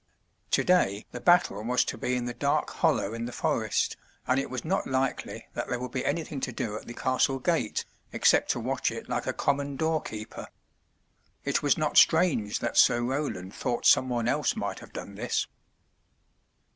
Today the battle was to be in the dark hollow in the forest, and it was not likely that there would be anything to do at the castle gate, except to watch it like a common doorkeeper. It was not strange that Sir Roland thought some one else might have done this.